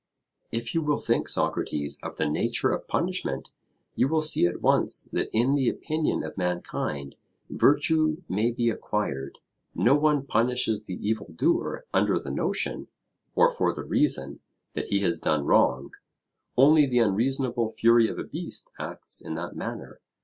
If you will think, Socrates, of the nature of punishment, you will see at once that in the opinion of mankind virtue may be acquired; no one punishes the evil doer under the notion, or for the reason, that he has done wrong, only the unreasonable fury of a beast acts in that manner.